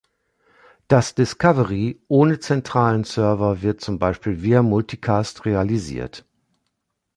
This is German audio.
Das Discovery ohne zentralen Server wird zum Beispiel via Multicast realisiert.